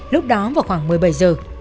lúc đó vào khoảng một mươi bảy giờ